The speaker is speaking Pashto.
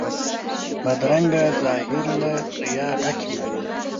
بدرنګه ظاهر له ریا ډک وي